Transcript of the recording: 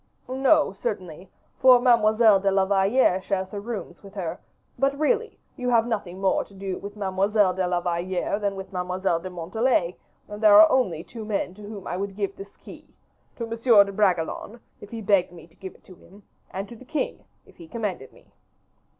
"No, certainly; for Mademoiselle de la Valliere shares her rooms with her; but, really, you have nothing more to do with Mademoiselle de la Valliere than with Mademoiselle de Montalais, and there are only two men to whom I would give this key; to M. de Bragelonne, if he begged me to give it to him, and to the king, if he commanded me."